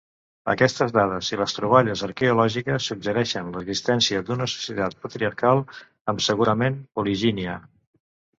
Aquestes dades i les troballes arqueològiques suggereixen l'existència d'una societat patriarcal amb segurament poligínia.